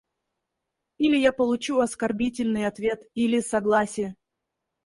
Или я получу оскорбительный ответ, или согласие.